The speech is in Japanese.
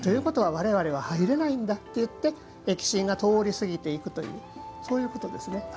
われわれは入れないんだと疫神が通り過ぎていくというそういうことですね。